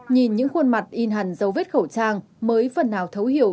nhìn những khuôn mặt in hẳn dấu vết khẩu trang mới phần nào thấu hiểu